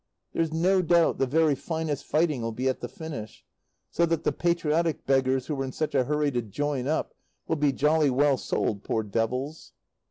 There's no doubt the very finest fighting'll be at the finish; so that the patriotic beggars who were in such a hurry to join up will be jolly well sold, poor devils.